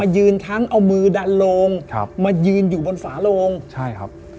ยืนทั้งเอามือดันโลงครับมายืนอยู่บนฝาโลงใช่ครับ